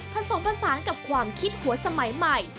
ผสมผสานกับความคิดหัวสมัยใหม่